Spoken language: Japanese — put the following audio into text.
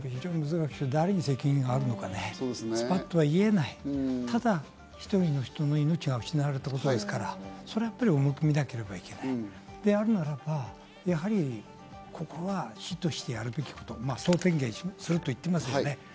非常に難しくて、誰に責任があるのか、スパっとは言えない、ただ一人の命が失われたことですから、重く見なければいけないであるならば、やはりここは市として、やるべきこと、総点検すると言ってますね。